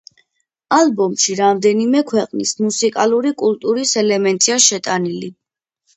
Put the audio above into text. ალბომში რამდენიმე ქვეყნის მუსიკალური კულტურის ელემენტია შეტანილი.